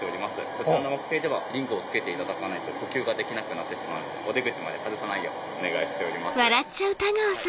この惑星はリングを着けないと呼吸できなくなってしまうのでお出口まで外さないようお願いしております。